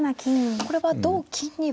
これは同金には。